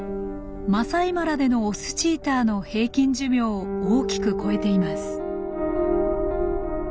マサイマラでのオスチーターの平均寿命を大きく超えています。